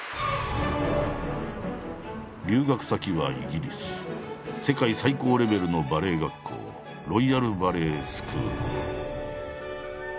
留学先はイギリス世界最高レベルのバレエ学校ロイヤル・バレエスクール。